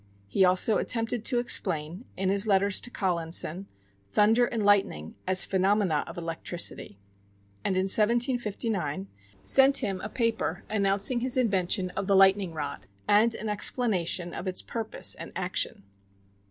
He also attempted to explain, in his letters to Collinson, thunder and lightning as phenomena of electricity; and, in 1759, sent him a paper announcing his invention of the lightning rod, and an explanation of its purpose and action.